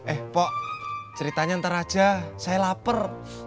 eh pok ceritanya ntar aja saya lapar